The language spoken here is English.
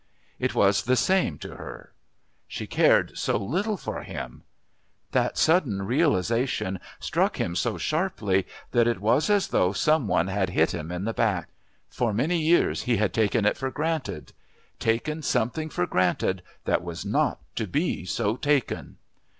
It was the same to her. She cared so little for him.... That sudden realisation struck him so sharply that it was as though some one had hit him in the back. For so many years he had taken it for granted...taken something for granted that was not to be so taken.